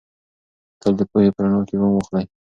تل د پوهې په رڼا کې ګام واخلئ.